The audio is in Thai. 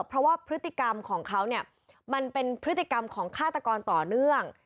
เพราะว่าพฤติกรรมของเขาเนี่ยมันเป็นพฤติกรรมของฆาตกรต่อเนื่อง